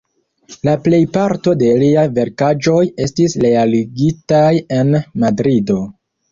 La plejparto de liaj verkaĵoj estis realigitaj en Madrido.